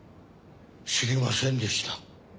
知りませんでした。